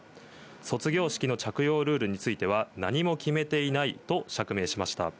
卒業式の着用ルールについては、何も決めていないと釈明しました。